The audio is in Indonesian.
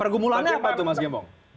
pergumulannya apa tuh mas gembong